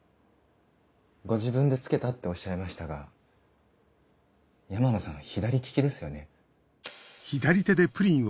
ご自分でつけたっておっしゃいましたが山野さん左利きですよね？